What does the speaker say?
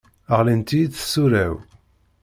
Ɣlint-iyi tsura-w.